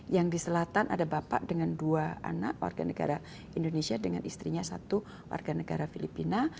yang di selatan ada bapak dengan dua anak warga negara indonesia dengan istrinya satu warga negara filipina